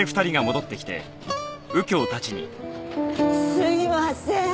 すいません。